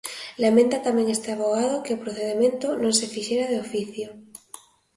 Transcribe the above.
Lamenta tamén este avogado que o procedemento non se teña feito de oficio.